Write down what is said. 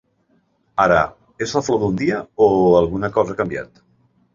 Ara, és flor d’un dia o alguna cosa ha canviat?